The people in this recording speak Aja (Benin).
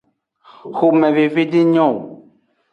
Xomeveve denyo o.